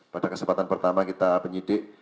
pada kesempatan pertama kita penyidik